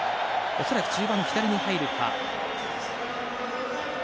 恐らく中盤の左に入るか。